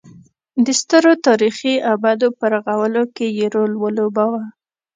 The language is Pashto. د سترو تاریخي ابدو په رغولو کې یې رول ولوباوه.